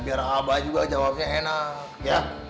biar abah juga jawabnya enak ya